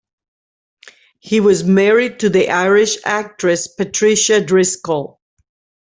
He was married to the Irish actress Patricia Driscoll.